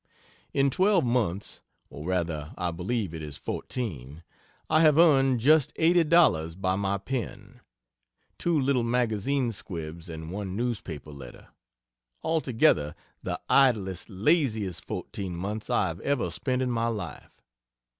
In twelve months (or rather I believe it is fourteen,) I have earned just eighty dollars by my pen two little magazine squibs and one newspaper letter altogether the idlest, laziest 14 months I ever spent in my life.